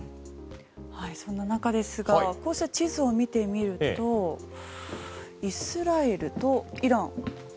そんな中ですがこうして地図を見てみるとイスラエルとイラン。